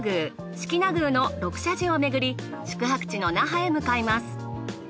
識名宮の６社寺をめぐり宿泊地の那覇へ向かいます。